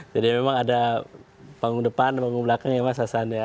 jadi memang ada panggung depan panggung belakang ya mas hasan ya